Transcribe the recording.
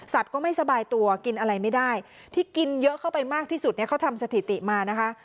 ก็ไม่สบายตัวกินอะไรไม่ได้ที่กินเยอะเข้าไปมากที่สุดเนี่ยเขาทำสถิติมานะคะ